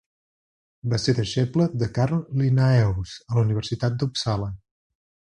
Va ser deixeble de Carl Linnaeus a la Universitat d'Uppsala.